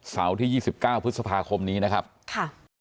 เสาร์ที่๒๙พฤษภาคมนี้นะครับค่ะ